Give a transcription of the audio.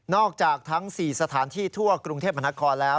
จากทั้ง๔สถานที่ทั่วกรุงเทพมหานครแล้ว